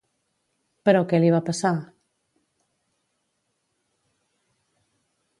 Però què li va passar?